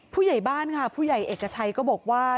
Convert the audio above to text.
ผู้ใหญ่บ้านค่ะผู้ใหญ่เอกชัยก็บอกว่า